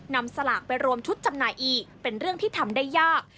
นำสลากไปรวมชุดจำหน่ายอีกเป็นเรื่องที่ทำได้ยาก